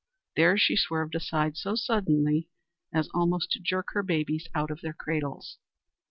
There she swerved aside so suddenly as almost to jerk her babies out of their cradles.